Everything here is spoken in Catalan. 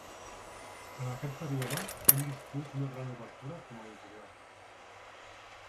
En aquest període, hem viscut una gran obertura com a editorial.